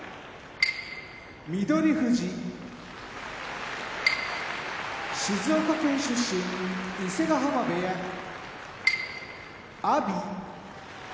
翠富士静岡県出身伊勢ヶ濱部屋阿炎埼玉県出身